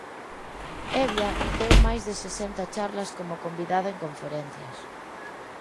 Hevia deu máis de sesenta charlas como convidada en conferencias.